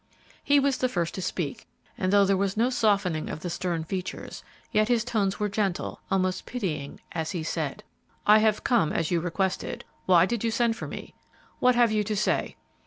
He was the first to speak, and though there was no softening of the stern features, yet his tones were gentle, almost pitying, as he said, "I have come as you requested. Why did you send for me? What have you to say?"